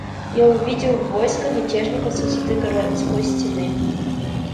Я увидел войско мятежников с высоты городской стены.